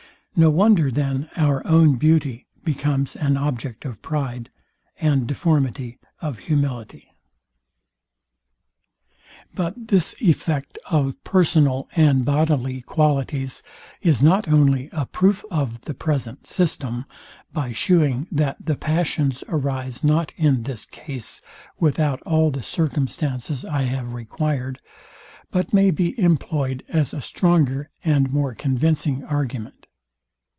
No wonder, then our own beauty becomes an object of pride, and deformity of humility. But this effect of personal and bodily qualities is not only a proof of the present system, by shewing that the passions arise not in this case without all the circumstances I have required, but may be employed as a stronger and more convincing argument.